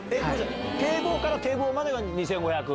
堤防から堤防までが２５００？